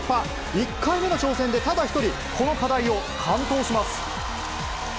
１回目の挑戦でただ一人、この課題を完登します。